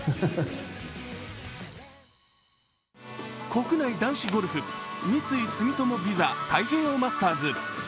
国内男子ゴルフ三井住友ＶＩＳＡ太平洋マスターズ。